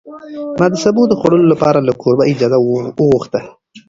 ما د سابو د خوړلو لپاره له کوربه اجازه وغوښته.